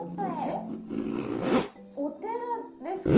えっ？お寺ですか？